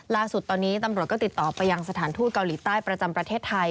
ล่าสุดตอนนี้ตำรวจก็ติดต่อไปยังสถานทูตเกาหลีใต้ประจำประเทศไทย